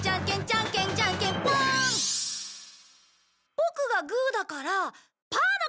ボクがグーだからパーの勝ち！